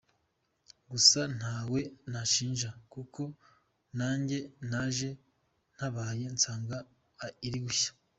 Gusa ntawe nashinja kuko nanjye naje ntabaye nsanga iri gushya.